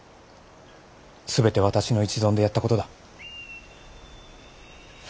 全て私の一存でやったことだ。